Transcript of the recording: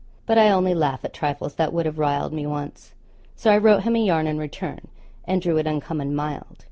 But I only laugh at trifles that would have riled me once. So I wrote him a yarn in return, and drew it uncommon mild.